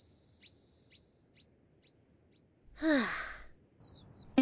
はあ。